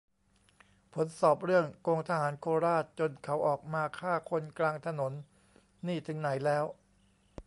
"ผลสอบเรื่องโกงทหารโคราชจนเขาออกมาฆ่าคนกลางถนนนี่ถึงไหนแล้ว"